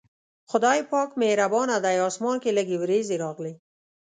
خدای پاک مهربانه دی، اسمان کې لږې وريځې راغلې.